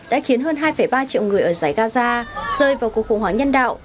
đã khiến hơn hai ba triệu người ở giải gaza rơi vào cuộc khủng hoảng nhân đạo